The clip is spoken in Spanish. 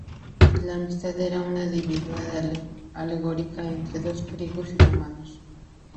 La amistad era una divinidad alegórica entre los griegos y romanos.